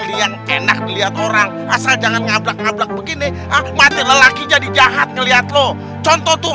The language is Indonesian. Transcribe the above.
lihat enak melihat orang asal jangan ngablak ngablak begini aku mati lelaki jadi jahat melihat lo contoh